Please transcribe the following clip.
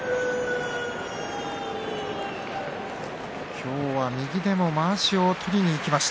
今日は右でもまわしを取りにいきました